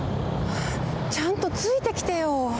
ちゃんとついてきてよ。